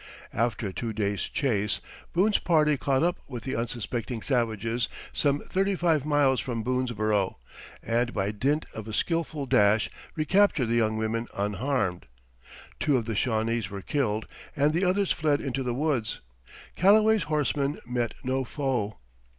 After a two days' chase, Boone's party caught up with the unsuspecting savages some thirty five miles from Boonesborough, and by dint of a skilful dash recaptured the young women, unharmed. Two of the Shawnese were killed and the others fled into the woods. Calloway's horsemen met no foe.